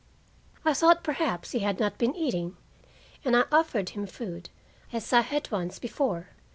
I thought perhaps he had not been eating and I offered him food, as I had once before.